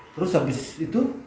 terus habis itu